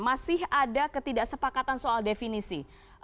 masih ada ketidaksepakatan soal definisi